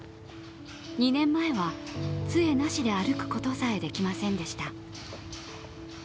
２年前は、つえなしで歩くことさえできませんでした。